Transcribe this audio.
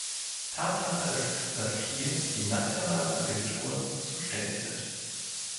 Tatsache ist, dass hier die nationalen Agenturen zuständig sind.